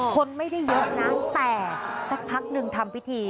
คนไม่ได้เยอะนะแต่สักพักหนึ่งทำพิธี